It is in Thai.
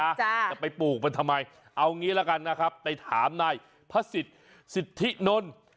จะไปปลูกมันทำไมเอางี้ละกันนะครับไปถามนายพระศิษย์สิทธินนท์